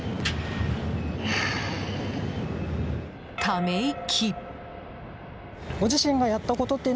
ため息。